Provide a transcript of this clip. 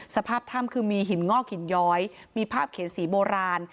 สภาพถ้ำคือมีหินงอกหินย้อยมีภาพเขียนสีโบราณ